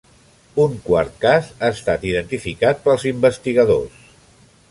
Un quart cas ha estat identificat pels investigadors.